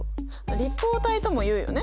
立方体ともいうよね。